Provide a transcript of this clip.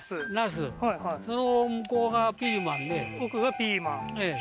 茄子その向こうがピーマンで奥がピーマンええ